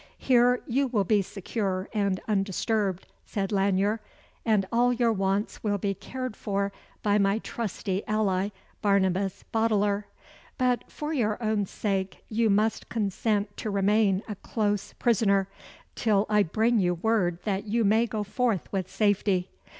"Here you will be secure and undisturbed," said Lanyere; "and all your wants will be cared for by my trusty ally, Barnabas Boteler; but, for your own sake, you must consent to remain a close prisoner, till I bring you word that you may go forth with safety.